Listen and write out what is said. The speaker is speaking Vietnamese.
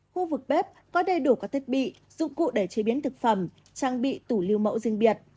khu vực bếp có đầy đủ các thiết bị dụng cụ để chế biến thực phẩm trang bị tủ lưu mẫu riêng biệt